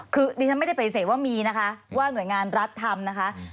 คือดิฉันไม่ได้ปฏิเสธว่ามีนะคะว่าหน่วยงานรัฐทำนะคะ